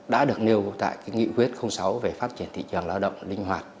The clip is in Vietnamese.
đã được nêu tại nghị quyết sáu về phát triển thị trường lao động linh hoạt